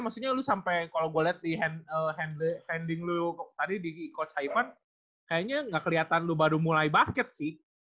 maksudnya lu sampai kalau gue liat di handling lu tadi di coach haipan kayaknya enggak keliatan lu baru mulai basket sih